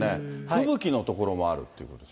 吹雪の所もあるっていうことです